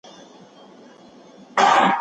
که ښوونه روښانه وي، مفهوم مبهم نه پاته کېږي.